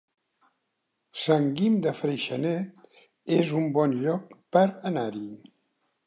Sant Guim de Freixenet es un bon lloc per anar-hi